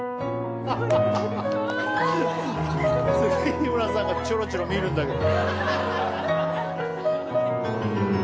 日村さんがチョロチョロ見るんだけど。